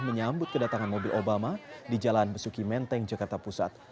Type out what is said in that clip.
menyambut kedatangan mobil obama di jalan besuki menteng jakarta pusat